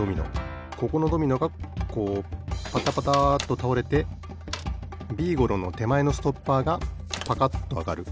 ここのドミノがこうパタパタッとたおれてビーゴローのてまえのストッパーがパカッとあがる。